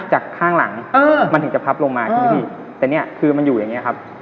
จากข้างหลังมันถึงจะพับลงมาแต่นี่คือมันอยู่อย่างนี้ครับ